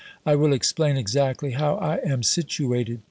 I will explain exactly how I am situated.